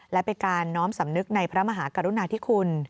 และเป็นการน้อมสำนึกในพระมหากรุณาธิคุณ